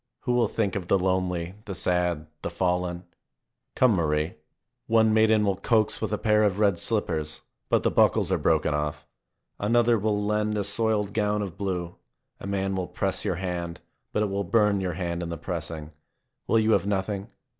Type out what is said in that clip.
Who will think of the lonely, the sad, the fallen ? Come, Marie. One maiden will coax with a pair of red slippers, but the buckles are broken off. Another will lend a soiled gown of blue. A man will press your hand, but it will burn your hand in the pressing. Will you have nothing